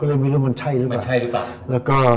ก็เลยไม่รู้ว่ามันใช่หรือเปล่า